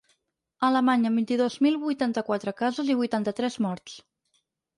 Alemanya, amb vint-i-dos mil vuitanta-quatre casos i vuitanta-tres morts.